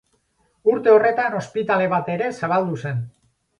Urte horretan ospitale bat ere zabaldu zen.